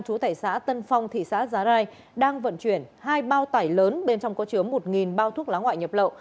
chú tải xã tân phong thị xã giá rai đang vận chuyển hai bao tải lớn bên trong có chứa một bao thuốc lá ngoại nhập lậu